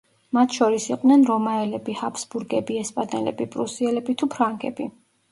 მათ შორის იყვნენ რომაელები, ჰაბსბურგები, ესპანელები, პრუსიელები თუ ფრანგები.